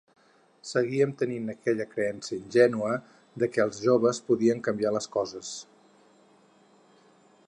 Seguíem tenint aquella creença ingènua de que els joves podien canviar les coses.